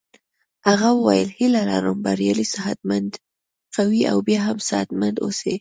هغه وویل هیله لرم بریالی صحت مند قوي او بیا هم صحت مند اوسې.